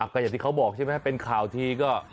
ก็อย่างที่เขาบอกใช่ไหมเป็นข่าวทีก็